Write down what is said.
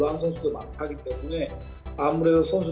dan mereka akan menjadi pemain terbaru